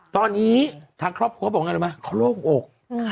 ตอนนี้ทางครอบครัวบอกอย่างไรไหมเขาร่วมอก